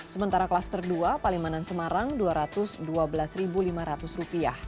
sementara klaster dua palimanan semarang rp dua ratus dua belas lima ratus